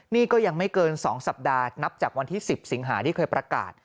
นี่ก็ยังไม่เกิน๒สัปดาห์นับจากวันที่๑๐สิงหาที่เคยประกาศ